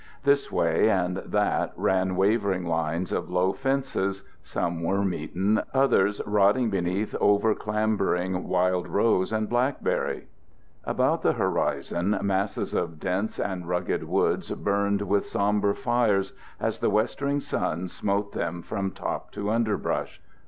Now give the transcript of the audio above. This way and that ran wavering lines of low fences, some worm eaten, others rotting beneath over clambering wild rose and blackberry. About the horizon masses of dense and rugged woods burned with sombre fires as the westering sun smote them from top to underbrush.